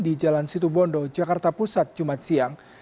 di jalan situbondo jakarta pusat jumat siang